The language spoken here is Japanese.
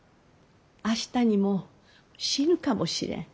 明日にも死ぬかもしれん。